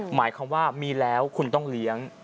หมายความว่ามีแล้วคุณต้องเลี้ยง